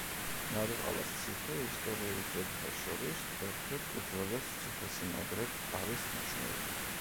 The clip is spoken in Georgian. ნარიყალას ციხე ისტორიულ ძეგლთა შორის ერთ-ერთ უძველეს ციხესიმაგრედ არის მიჩნეული.